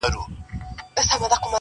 د زړه له درده شاعري کوومه ښه کوومه.